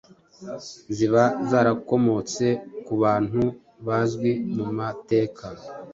ziba zarakomotse ku bantu bazwi mu mateka.